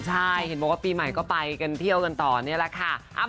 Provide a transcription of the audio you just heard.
ใช่เห็นบอกว่าปีใหม่ก็ไปกันเที่ยวกันต่อนี่แหละค่ะ